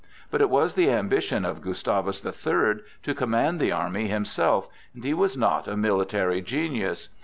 But it was the ambition of Gustavus the Third to command the army himself, and he was not a military genius.